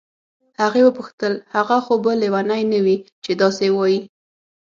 هغې وپوښتل هغه خو به لیونی نه وي چې داسې وایي.